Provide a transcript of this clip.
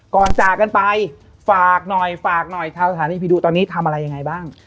ก่อนจากกันไปฝากหน่อยข้าวสถานีพีดูตอนนี้ทำอะไรยังไงบ้าง